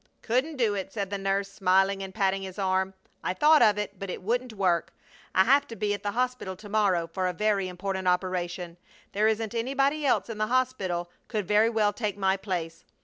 "Couldn't do it!" said the nurse, smiling and patting his arm. "I thought of it, but it wouldn't work. I have to be at the hospital to morrow for a very important operation. There isn't anybody else in the hospital could very well take my place.